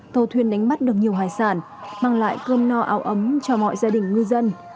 tàu thuyền đánh bắt được nhiều hải sản mang lại cơm no áo ấm cho mọi gia đình ngư dân